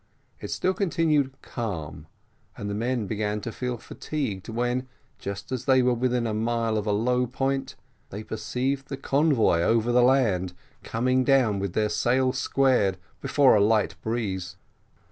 It still continued calm, and the men began to feel fatigued, when, just as they were within a mile of a low point, they perceived the convoy over the land, coming down with their sails squared, before a light breeze.